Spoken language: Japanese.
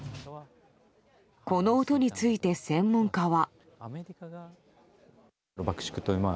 この音について専門家は。